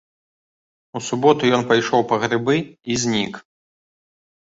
У суботу ён пайшоў па грыбы і знік.